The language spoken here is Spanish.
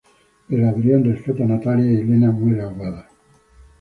Pero Adrián rescata a Natalia y Elena se muere ahogada.